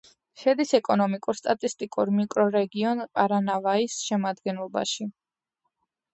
შედის ეკონომიკურ-სტატისტიკურ მიკრორეგიონ პარანავაის შემადგენლობაში.